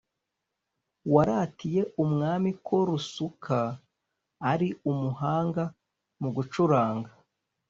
waratiye Umwami ko Rusuka ari umuhanga mu gucuranga.